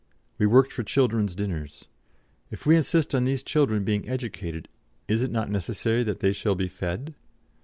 We worked for children's dinners. "If we insist on these children being educated, is it not necessary that they shall be fed?